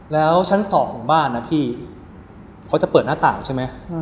แล้วชั้น๒ของบ้านนะพี่เขาจะเปิดหน้าต่างใช่ไหม